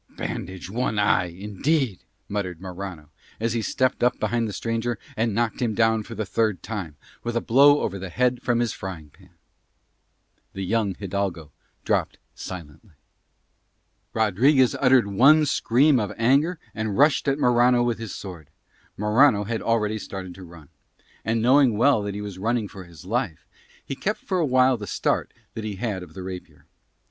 "Bandage one eye, indeed!" muttered Morano as he stepped up behind the stranger and knocked him down for the third time with a blow over the head from his frying pan. The young hidalgo dropped silently. Rodriguez uttered one scream of anger and rushed at Morano with his sword. Morano had already started to run; and, knowing well that he was running for his life, he kept for awhile the start that he had of the rapier.